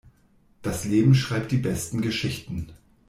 Das Leben schreibt die besten Geschichten.